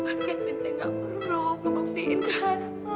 mas kevin dia nggak perlu ngebuktiin ke asma